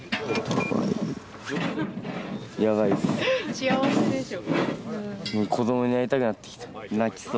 幸せでしょ？